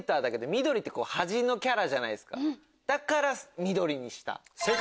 だから緑にした。